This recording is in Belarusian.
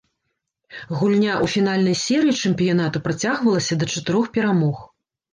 Гульня ў фінальнай серыі чэмпіянату працягвалася да чатырох перамог.